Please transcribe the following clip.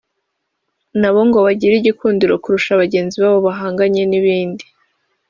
nabo ngo bagire igikundiro kurusha bagenzi babo bahanganye n’ibindi